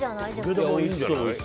おいしそう。